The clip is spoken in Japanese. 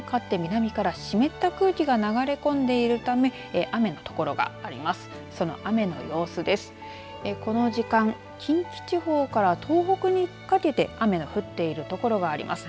この低気圧に向かって南から湿った空気が流れ込んでいるため雨の所があります。